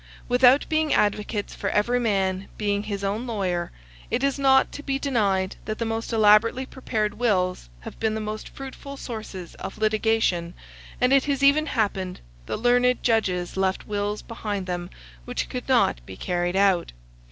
Without being advocates for every man being his own lawyer, it is not to be denied that the most elaborately prepared wills have been the most fruitful sources of litigation, and it has even happened that learned judges left wills behind them which could not be carried out.